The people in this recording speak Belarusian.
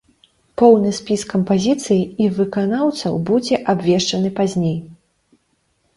Поўны спіс кампазіцый і выканаўцаў будзе абвешчаны пазней.